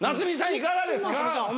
いかがですか？